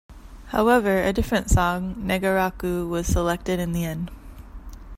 However, a different song, ""Negaraku"", was selected in the end.